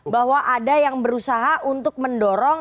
bahwa ada yang berusaha untuk mendorong